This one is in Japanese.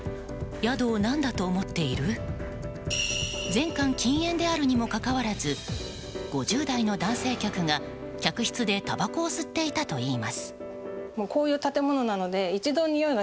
全館禁煙であるにもかかわらず５０代の男性客が客室でたばこを吸っていたといいます。